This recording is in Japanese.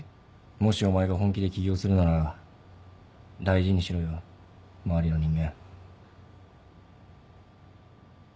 もしお前が本気で起業するなら大事にしろよ周りの人間。